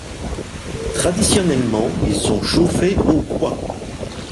Traditionnellement, ils sont chauffés au bois.